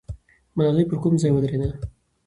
ملالۍ پر کوم ځای ودرېده؟